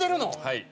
はい。